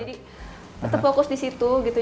jadi tetap fokus di situ gitu